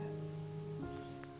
kasihan sama abah